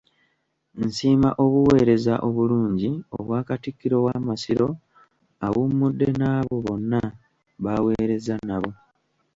Nsiima obuweereza obulungi obwa Katikkiro w’amasiro awummudde n’abo bonna b’aweerezza nabo.